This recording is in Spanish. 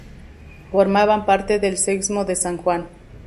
Formaba parte del Sexmo de San Juan.